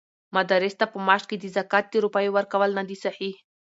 مدرس ته په معاش کې د زکات د روپيو ورکول ندی صحيح؛